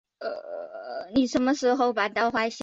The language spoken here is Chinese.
贝斯科是德国勃兰登堡州的一个市镇。